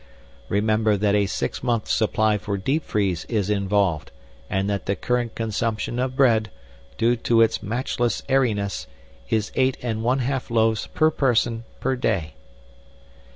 Remember that a six month supply for deep freeze is involved and that the current consumption of bread, due to its matchless airiness, is eight and one half loaves per person per day."